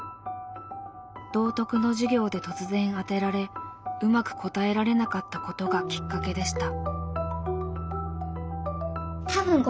道徳の授業で突然あてられうまく答えられなかったことがきっかけでした。